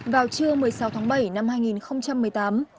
vào trưa một mươi sáu tháng bảy năm hai nghìn một mươi tám